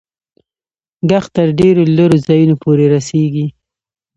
ږغ تر ډېرو لیري ځایونو پوري رسیږي.